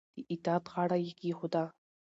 د اطاعت غاړه یې کېښوده